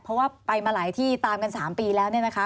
เพราะว่าไปมาหลายที่ตามกัน๓ปีแล้วเนี่ยนะคะ